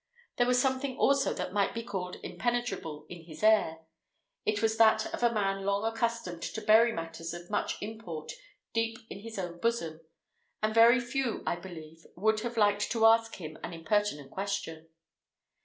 There was something also that might be called impenetrable in his air. It was that of a man long accustomed to bury matters of much import deep in his own bosom; and very few, I believe, would have liked to ask him an impertinent question.